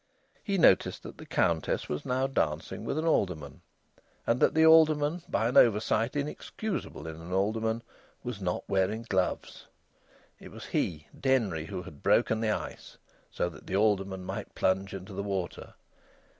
He noticed that the Countess was now dancing with an alderman, and that the alderman, by an oversight inexcusable in an alderman, was not wearing gloves. It was he, Denry, who had broken the ice, so that the alderman might plunge into the water.